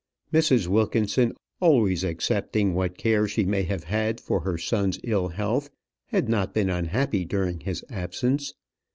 Mrs. Wilkinson, always excepting what care she may have had for her son's ill health, had not been unhappy during his absence.